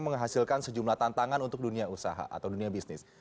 menghasilkan sejumlah tantangan untuk dunia usaha atau dunia bisnis